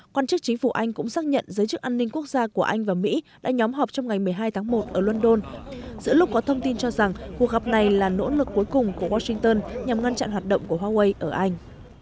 quan chức chính phủ anh cũng xác nhận giới chức an ninh quốc gia của anh và mỹ đã nhóm họp trong ngày một mươi hai tháng một ở london giữa lúc có thông tin cho rằng cuộc gặp này là nỗ lực cuối cùng của washington nhằm ngăn chặn hoạt động của huawei ở anh